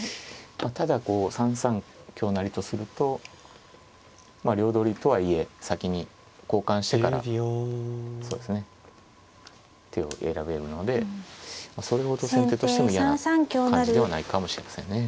ただこう３三香成とするとまあ両取りとはいえ先に交換してからそうですね手を選べるのでそれほど先手としても嫌な感じではないかもしれませんね。